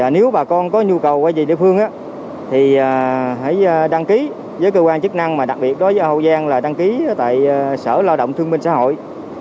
nếu bà con có nhu cầu quay về địa phương thì hãy đăng ký với cơ quan chức năng mà đặc biệt đối với hậu giang là đăng ký tại sở lao động thương minh xã hội